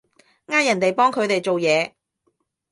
呃人哋幫佢哋做嘢